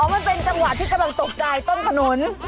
มันเป็นจังหวะที่กำลังตกใจต้นขนุน